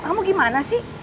kamu gimana sih